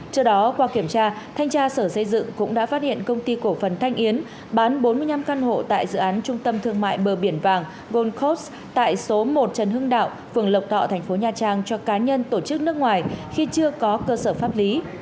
trước đó qua kiểm tra thanh tra sở xây dựng cũng đã phát hiện công ty cổ phần thanh yến bán bốn mươi năm căn hộ tại dự án trung tâm thương mại bờ biển vàng goldcos tại số một trần hưng đạo phường lộc thọ thành phố nha trang cho cá nhân tổ chức nước ngoài khi chưa có cơ sở pháp lý